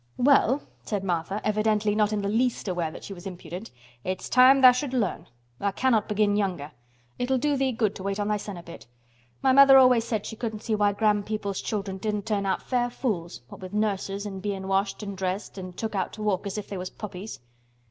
"Well," said Martha, evidently not in the least aware that she was impudent, "it's time tha' should learn. Tha' cannot begin younger. It'll do thee good to wait on thysen a bit. My mother always said she couldn't see why grand people's children didn't turn out fair fools—what with nurses an' bein' washed an' dressed an' took out to walk as if they was puppies!"